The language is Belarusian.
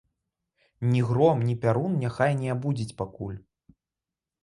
Ні гром, ні пярун няхай не абудзіць пакуль.